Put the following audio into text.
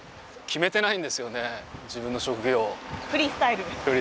フリースタイル？